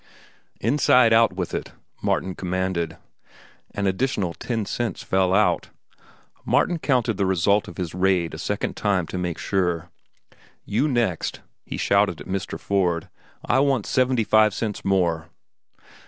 "Inside out with it," Martin commanded. An additional ten cents fell out. Martin counted the result of his raid a second time to make sure. "You next!" he shouted at Mr. Ford. "I want seventy five cents more."